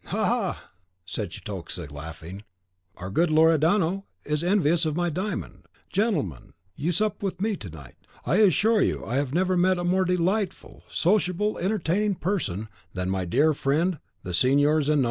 "Ha, ha!" said Cetoxa, laughing, "our good Loredano is envious of my diamond. Gentlemen, you sup with me to night. I assure you I never met a more delightful, sociable, entertaining person, than my dear friend the Signor Zanoni."